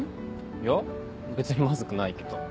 いや別にまずくないけど。